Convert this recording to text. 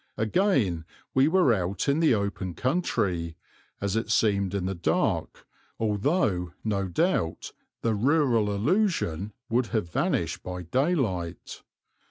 Again we were out in the open country, as it seemed in the dark, although, no doubt, the rural illusion would have vanished by daylight.